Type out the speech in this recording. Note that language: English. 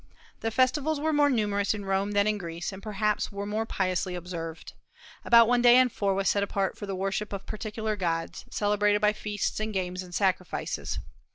The festivals were more numerous in Rome than in Greece, and perhaps were more piously observed. About one day in four was set apart for the worship of particular gods, celebrated by feasts and games and sacrifices.